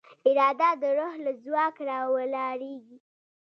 اراده د روح له ځواک راولاړېږي.